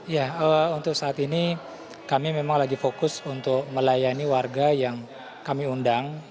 ya untuk saat ini kami memang lagi fokus untuk melayani warga yang kami undang